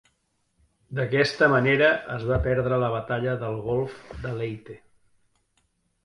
D'aquesta manera, es va perdre la Batalla del golf de Leyte.